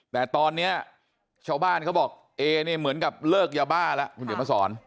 แต่ตอนนี้ชาวบ้านเขาบอกเอเนี่ยเหมือนกับเลิกยาวบ้าแล้ว